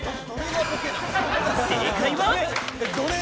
正解は。